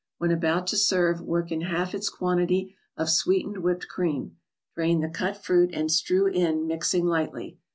When about to serve, work in half its quantity of sweetened whipped cream; drain the cut fruit, and strew in, mixing lightly.